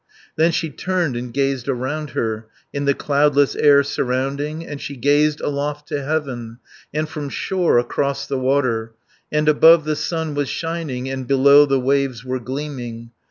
50 Then she turned and gazed around her, In the cloudless air surrounding, And she gazed aloft to heaven, And from shore across the water, And above the sun was shining, And below the waves were gleaming.